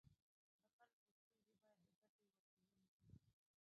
د خلکو ستونزې باید د ګټې وسیله نه شي.